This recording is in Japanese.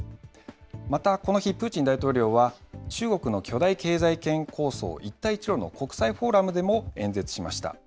また、この日、プーチン大統領は中国の巨大経済圏構想、一帯一路の国際フォーラムでも演説しました。